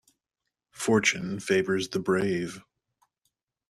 Fortune favours the brave.